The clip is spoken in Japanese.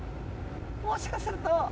もしかすると。